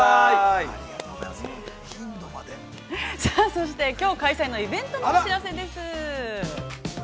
◆そしてきょう開催のイベントのお知らせです。